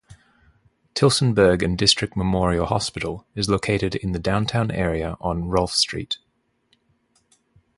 Tillsonburg and District Memorial Hospital is located in the downtown area on Rolph Street.